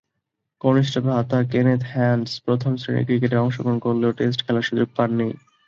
কনিষ্ঠ ভ্রাতা Kenneth Hands প্রথম-শ্রেণীর ক্রিকেটে অংশগ্রহণ করলেও টেস্টে খেলার সুযোগ পাননি।